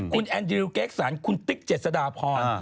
คุณแอนดริวเกสันคุณติ๊กเจษฎาพร